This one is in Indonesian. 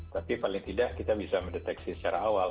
tapi paling tidak kita bisa mendeteksi secara awal